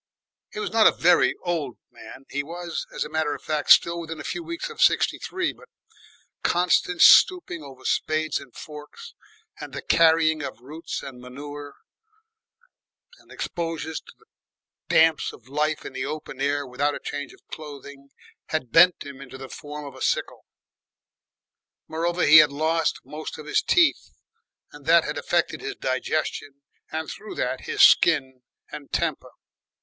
He was not a very old man; he was, as a matter of fact, still within a few weeks of sixty three, but constant stooping over spades and forks and the carrying of roots and manure, and exposure to the damps of life in the open air without a change of clothing, had bent him into the form of a sickle. Moreover, he had lost most of his teeth and that had affected his digestion and through that his skin and temper.